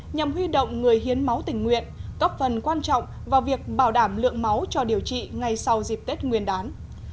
nhằm huy động người hiến máu tình nguyện góp phần quan trọng vào việc bảo đảm lượng máu cho điều trị ngay sau dịp tết nguyên đán